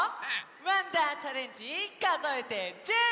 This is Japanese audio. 「わんだーチャレンジかぞえて１０」！